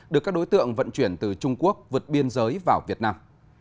được các đối tượng vận chuyển từ trung quốc vượt biên giới vào việt nam